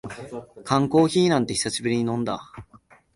缶コーヒーなんて久しぶりに飲んだ